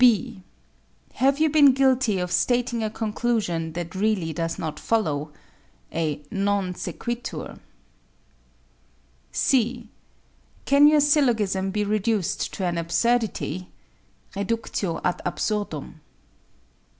(b) Have you been guilty of stating a conclusion that really does not follow? (A non sequitur.) (c) Can your syllogism be reduced to an absurdity? (_Reductio ad absurdum.